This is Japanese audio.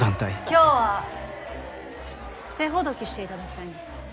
今日は手ほどきしていただきたいんです